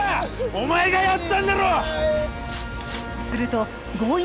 お前がやったんだろ！